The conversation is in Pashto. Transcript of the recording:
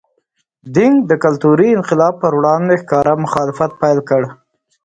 دینګ د کلتوري انقلاب پر وړاندې ښکاره مخالفت پیل کړ.